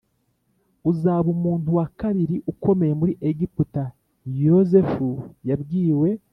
Uzaba umuntu wa kabiri ukomeye muri Egiputa Yozefu yabwiwe